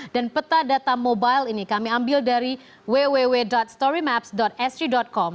dan peta data mobile ini kami ambil dari www storymaps sri com